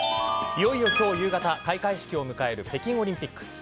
いよいよ今日夕方開会式を迎える北京オリンピック。